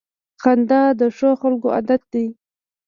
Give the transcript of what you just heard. • خندا د ښو خلکو عادت دی.